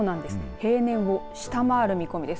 平年を下回る見込みです。